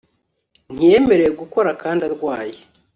ntiyemerewe gukora kandi arwaye